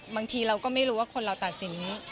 บางทีเราก็ไม่รู้ว่าคนเราตัดสิน